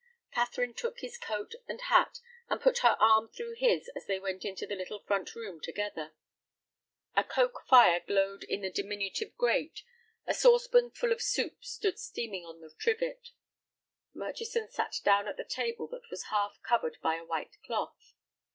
Catherine took his coat and hat, and put her arm through his as they went into the little front room together. A coke fire glowed in the diminutive grate, a saucepan full of soup stood steaming on the trivet. Murchison sat down at the table that was half covered by a white cloth.